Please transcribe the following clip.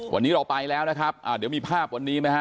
วันนี้เราไปแล้วนะครับอ่าเดี๋ยวมีภาพวันนี้ไหมฮะ